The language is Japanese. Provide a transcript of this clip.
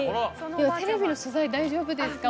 テレビの取材大丈夫ですか？